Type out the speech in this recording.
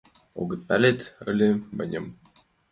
Огытат палеп ыле мыньым;